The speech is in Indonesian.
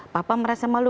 papa merasa malu